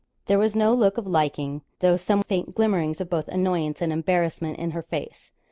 There was no look of liking, though some faint glimmerings both of annoyance and embarrassment in her face.